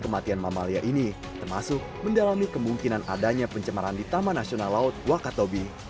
kematian mamalia ini termasuk mendalami kemungkinan adanya pencemaran di taman nasional laut wakatobi